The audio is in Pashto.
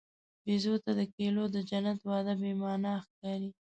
بیزو ته د کیلو د جنت وعده بېمعنی ښکاري.